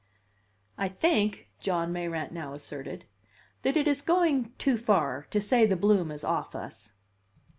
I think, John Mayrant now asserted, "that it is going too far to say the bloom is off us."